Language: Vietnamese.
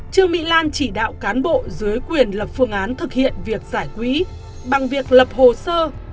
trương mỹ lan chỉ đạo cán bộ dưới quyền lập phương án thực hiện việc giải quỹ bằng việc lập hồ sơ